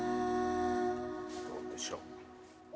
どうでしょう？